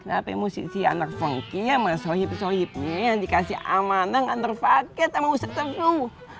kenapa musik si anak fengki sama sohib sohibnya yang dikasih amanah gak terpakai sama usah tepuk